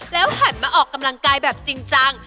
หันมาออกกำลังกายแบบจริงจัง